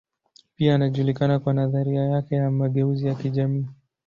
Pia anajulikana kwa nadharia yake ya mageuzi ya kijamii.